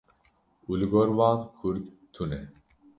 û li gor wan Kurd tune.